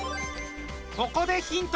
ここでヒント。